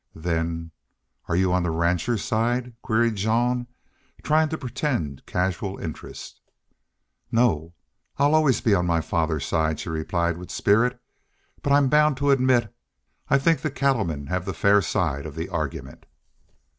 "Then Are you on the ranchers' side?" queried Jean, trying to pretend casual interest. "No. I'll always be on my father's side," she replied, with spirit. "But I'm bound to admit I think the cattlemen have the fair side of the argument."